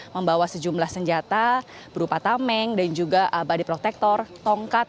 membawa sejumlah senjata berupa tameng dan juga body protector tongkat